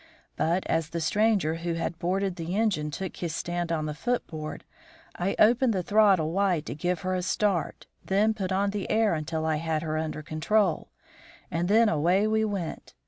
But, as the stranger who had boarded the engine took his stand on the foot board, I opened the throttle wide to give her a start, then put on the air until I had her under control, and then away we went.